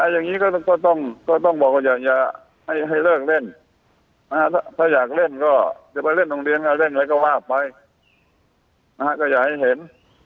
อย่างนี้ก็ต้องบอกว่าอยากจะให้เลิกเล่นถ้าอยากเล่นก็จะไปเล่นโรงเรียนเล่นอะไรก็ว่าไปนะฮะก็อยากให้เห็น